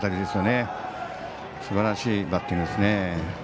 すばらしいバッティングですね。